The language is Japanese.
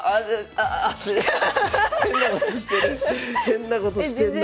変なことしてる。